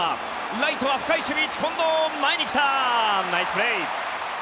ライトは深い守備位置近藤、前に来たナイスプレー！